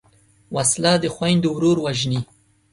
وسله د خویندو ورور وژني